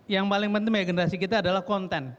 yang paling penting ya generasi kita adalah konten